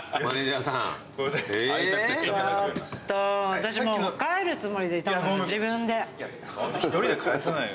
私もう帰るつもりでいたのよ